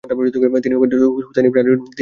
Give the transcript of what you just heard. তিনি হবেন হোসাইন ইবনে আলীর বংশধর।